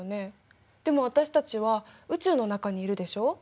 でも私たちは宇宙の中にいるでしょ。